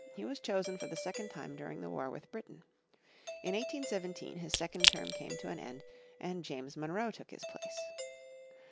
He was chosen for the second time during the war with Britain. In 1817 his second term came to an end and James Monroe took his place.